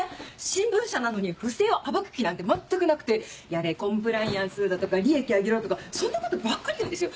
新聞社なのに不正を暴く気なんて全くなくてやれコンプライアンスだとか利益上げろとかそんなことばっかり言うんですよ。